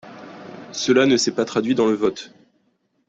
Cela ne s’est pas traduit dans le vote.